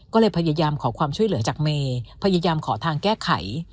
ก็เลยพยายามขอความช่วยเหลือจากเมย์พยายามขอทางแก้ไข